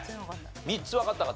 ３つわかった方？